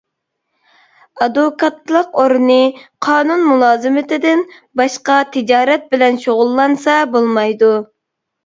ئادۋوكاتلىق ئورنى قانۇن مۇلازىمىتىدىن باشقا تىجارەت بىلەن شۇغۇللانسا بولمايدۇ.